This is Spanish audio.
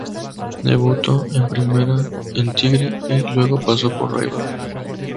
Debutó en primera en Tigre y luego pasó por River.